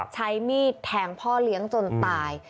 ใช้มีดแทงพ่อเลี้ยงจนตาย